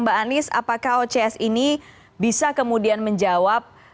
mbak anies apakah ocs ini bisa kemudian menjawab